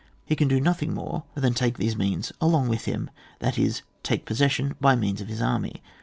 He can do nothing more than take these means along with him, that is, take possession by means of his army.